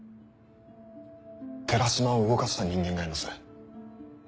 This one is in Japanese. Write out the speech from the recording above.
寺島を動かした人間がいます。